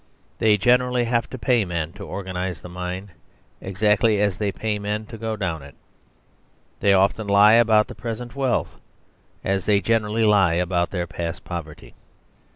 They generally have to pay men to organise the mine, exactly as they pay men to go down it. They often lie about the present wealth, as they generally lie about their past poverty.